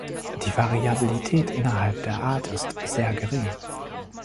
Die Variabilität innerhalb der Art ist sehr gering.